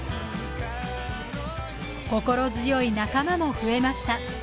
心強い仲間も増えました